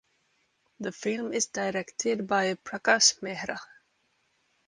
The film is directed by Prakash Mehra.